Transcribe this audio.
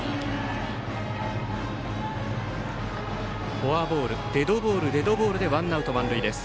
フォアボールデッドボール、デッドボールでワンアウト満塁です。